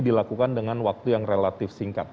dilakukan dengan waktu yang relatif singkat